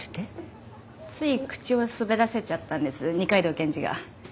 つい口を滑らせちゃったんです二階堂検事が。